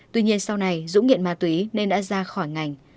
tuy nhiên sau này dũng nghiện ma túy nên đã ra khỏi ngành